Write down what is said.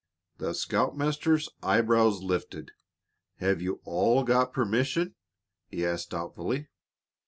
The scoutmaster's eyebrows lifted. "Have you all got permission?" he asked doubtfully.